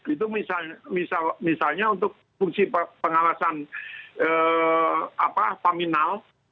itu misalnya untuk fungsi pengawasan paminal